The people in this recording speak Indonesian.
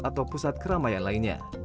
atau pusat keramaian lainnya